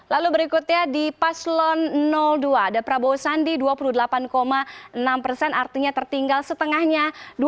lalu berikutnya di paslon dua ada prabowo sandi dua puluh delapan enam persen artinya tertinggal setengahnya